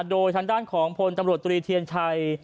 โดยทางด้านของพลตำรวจตรีเทียนชัย